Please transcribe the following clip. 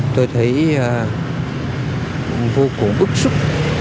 tôi thấy vô cùng bức xúc